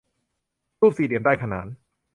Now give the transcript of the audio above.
รูปสี่เหลี่ยมด้านขนาน